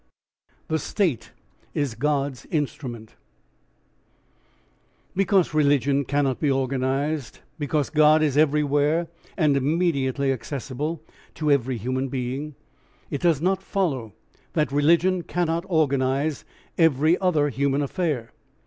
THE STATE IS GOD'S INSTRUMENT Because religion cannot be organised, because God is everywhere and immediately accessible to every human being, it does not follow that religion cannot organise every other human affair.